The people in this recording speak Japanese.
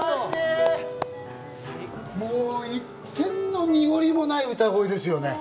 もう一点の濁りもない歌声ですよね。